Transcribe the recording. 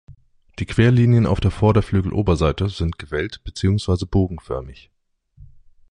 Die Querlinien auf der Vorderflügeloberseite sind gewellt beziehungsweise bogenförmig.